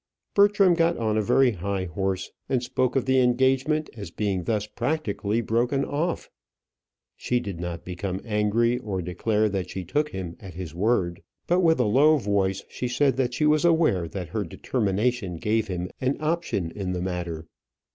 Bertram got on a very high horse, and spoke of the engagement as being thus practically broken off. She did not become angry, or declare that she took him at his word; but with a low voice she said that she was aware that her determination gave him an option in the matter.